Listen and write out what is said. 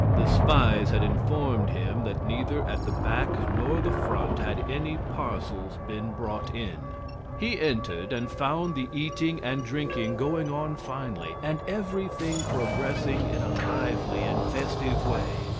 The spies had informed him that neither at the back nor the front had any parcels been brought in. He entered, and found the eating and drinking going on finely, and everything progressing in a lively and festive way.